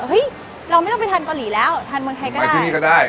เฮ้ยเราไม่ต้องไปทานเกาหลีแล้วทานเมืองไทยก็ได้